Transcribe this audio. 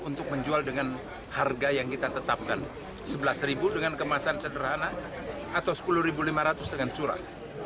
untuk menjual dengan harga yang kita tetapkan rp sebelas dengan kemasan sederhana atau rp sepuluh lima ratus dengan curah